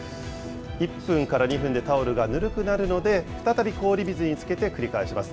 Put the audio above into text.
１分から２分でタオルがぬるくなるので、再び氷水につけて繰り返します。